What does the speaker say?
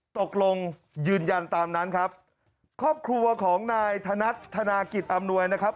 ตกลงยืนยันตามนั้นครับครอบครัวของนายธนัดธนากิจอำนวยนะครับ